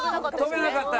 跳べなかった。